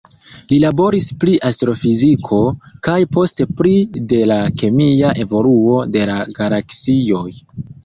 Li laboris pri astrofiziko, kaj poste pri de la kemia evoluo de la galaksioj.